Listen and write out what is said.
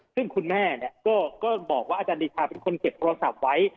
ซึ่งคุณแม่ก็บอกว่าอาจารย์เดชาเป็นคนเก็บโทรศัพท์ไว้